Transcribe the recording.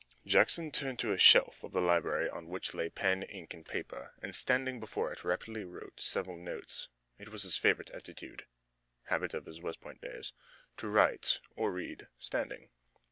Jackson turned to a shelf of the library on which lay pen, ink and paper, and standing before it rapidly wrote several notes. It was his favorite attitude habit of his West Point days to write or read standing.